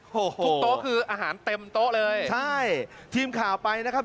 โอ้โหทุกโต๊ะคืออาหารเต็มโต๊ะเลยใช่ทีมข่าวไปนะครับ